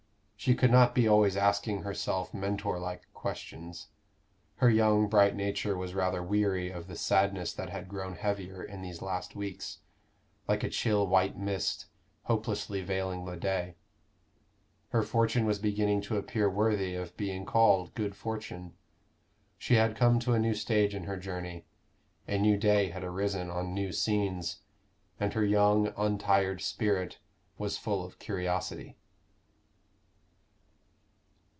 She could not be always asking herself Mentor like questions. Her young, bright nature was rather weary of the sadness that had grown heavier in these last weeks, like a chill white mist hopelessly veiling the day. Her fortune was beginning to appear worthy of being called good fortune. She had come to a new stage in her journey; a new day had arisen on new scenes, and her young untired spirit was full of curiosity.